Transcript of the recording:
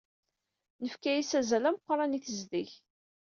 Nefka-as azal ameqran i tezdeg.